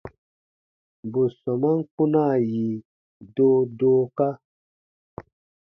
Bù sɔmaan kpunaa yi doodooka.